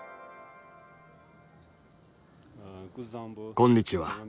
こんにちは。